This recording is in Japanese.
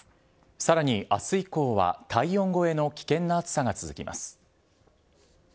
さらにあす以降は、体温超えの危険な暑さが続きます。